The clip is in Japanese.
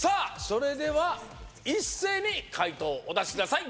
それでは一斉に回答をお出しください